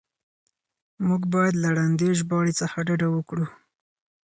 موږ بايد له ړندې ژباړې څخه ډډه وکړو.